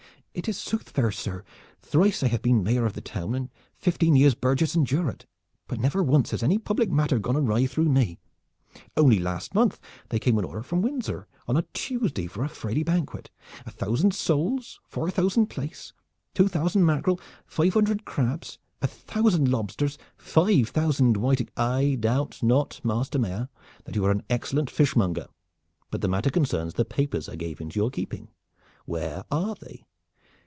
"It is sooth, fair sir! Thrice I have been Mayor of the town, and fifteen years burgess and jurat, but never once has any public matter gone awry through me. Only last month there came an order from Windsor on a Tuesday for a Friday banquet, a thousand soles, four thousand plaice, two thousand mackerel, five hundred crabs, a thousand lobsters, five thousand whiting " "I doubt not, Master Mayor, that you are an excellent fishmonger; but the matter concerns the papers I gave into your keeping. Where are they?"